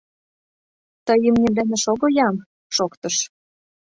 Тый имне дене шого-ян, — шоктыш.